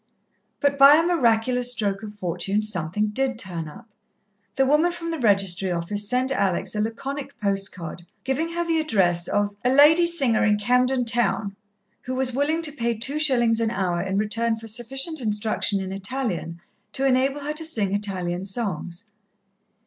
But by a miraculous stroke of fortune something did turn up. The woman from the registry office sent Alex a laconic postcard, giving her the address of "a lady singer in Camden Town" who was willing to pay two shillings an hour in return for sufficient instruction in Italian to enable her to sing Italian songs.